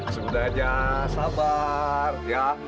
sudah aja sabar ya